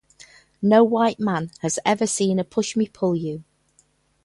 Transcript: No White Man has ever seen a pushmi-pullyu.